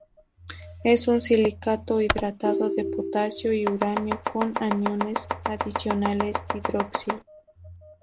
Es un silicato hidratado de potasio y uranio con aniones adicionales hidroxilo.